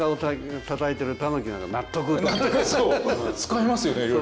使えますよねいろいろ。